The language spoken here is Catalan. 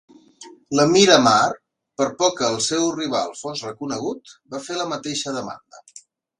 L'emir Amar, per por que el seu rival fos reconegut, va fer la mateixa demanda.